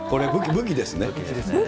武器ですね。